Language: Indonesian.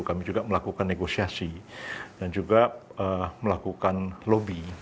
kami juga melakukan negosiasi dan juga melakukan lobby